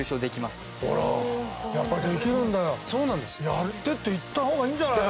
やってって言った方がいいんじゃないの？